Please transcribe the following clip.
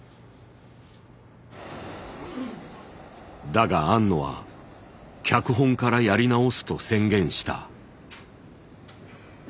だが庵野は脚本からやり直すと宣言した。